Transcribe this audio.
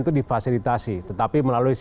itu difasilitasi tetapi melalui